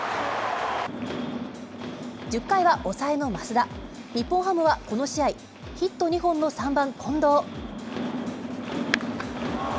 １０回は抑えの増田、日本ハムはこの試合、ヒット２本の３番近藤。